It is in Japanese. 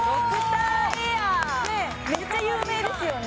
めっちゃ有名ですよね